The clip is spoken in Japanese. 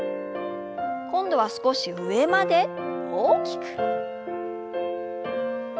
今度は少し上まで大きく。